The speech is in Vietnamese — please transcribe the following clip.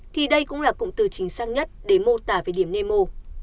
thì đây cũng là cụm từ chính xác nhất để mô tả về điểm nemo